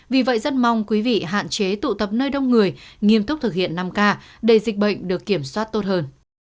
vì vậy rất mong quý vị hạn chế tụ tập nơi đông người nghiêm túc thực hiện năm k để dịch bệnh được kiểm soát tốt hơn